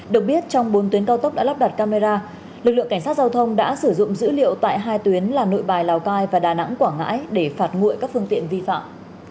được biết trong bốn tuyến cao tốc đã lắp đặt camera lực lượng cảnh sát giao thông đã sử dụng dữ liệu tại hai tuyến là nội bài lào cai và đà nẵng quảng ngãi để phạt nguội các phương tiện vi phạm